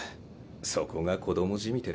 そこが子どもじみてる。